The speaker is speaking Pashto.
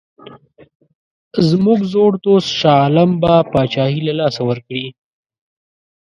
زموږ زوړ دوست شاه عالم به پاچهي له لاسه ورکړي.